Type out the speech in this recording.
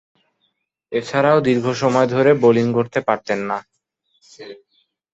এছাড়াও, দীর্ঘসময় ধরে বোলিং করতে পারতেন না।